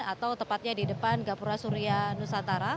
atau tepatnya di depan gapura surya nusantara